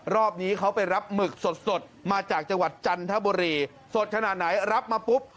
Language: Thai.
รอบนี้เขาไปรับหมึกสดมาจากจังหวัดจันทบุรีสดขนาดไหนรับมาปุ๊บ